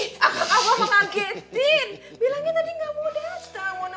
ih kakak gue mengagetin